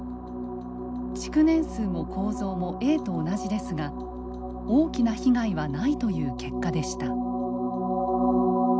築年数も構造もＡと同じですが大きな被害はないという結果でした。